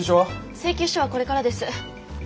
請求書はこれからです。